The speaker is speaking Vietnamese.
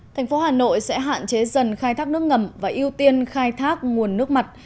thành phố hà nội sẽ hạn chế dần khai thác nước ngầm và ưu tiên khai thác nguồn nước mặt